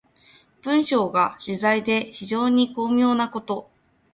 文章が自在で非常に巧妙なこと。